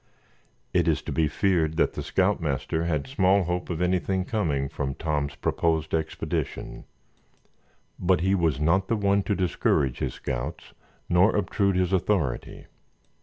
It is to be feared that the scoutmaster had small hope of anything coming from Tom's proposed expedition, but he was not the one to discourage his scouts nor obtrude his authority.